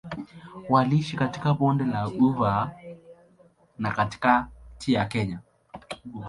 Waliishi katika Bonde la Ufa na katikati ya Kenya.